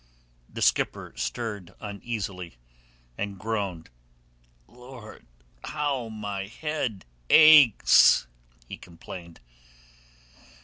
The skipper stirred uneasily, and groaned. "Lord, how my head aches!" he complained.